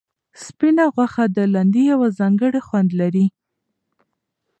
سپینه غوښه د لاندي یو ځانګړی خوند لري.